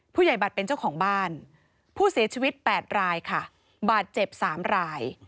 ผู้ใหญ่บัตรเป็นเจ้าของบ้านผู้เสียชีวิต๘รายค่ะบาดเจ็บ๓ราย